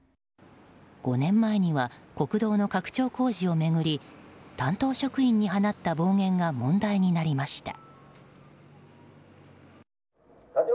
５年前には国道の拡張工事を巡り担当職員に放った暴言が問題になりました。